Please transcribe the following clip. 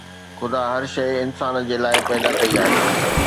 خدا هر شيءِ انسان جي لاءِ پيدا ڪئي آهي